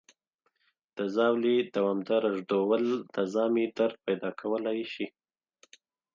د ژاولې دوامداره ژوول د ژامې درد پیدا کولی شي.